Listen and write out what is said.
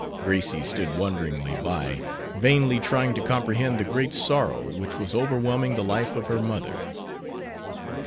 Gracie stood wonderingly by, vainly trying to comprehend the great sorrow which was overwhelming the life of her mother.